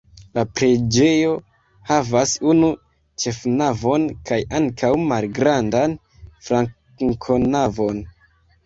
La preĝejo havas unu ĉefnavon kaj ankaŭ malgrandan flankonavon.